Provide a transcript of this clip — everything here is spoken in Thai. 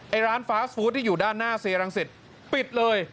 ร้านฟ้าฟู้ดที่อยู่ด้านหน้าเซียรังสิตปิดเลย